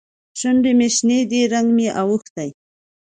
شونډې مې شنې دي؛ رنګ مې اوښتی.